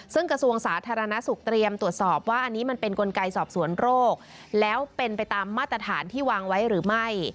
ซึ่งกระทรวงสาธารณสุขเตรียมตรวจสอบว่าอันนี้มันเป็นกลไกสอบสวนโรคแล้วเป็นไปตามมาตรฐานที่วางไว้หรือไม่